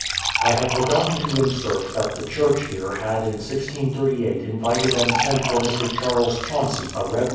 I had forgotten to insert that the church here had in 1638 invited and sent for ]\Ir. Charles Chauncey, a reverend.